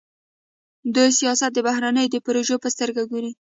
دوی سیاست د بهرنیو د پروژې په سترګه ګوري.